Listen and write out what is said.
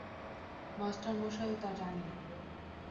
মাস্টারমশায়ও তা জানেন।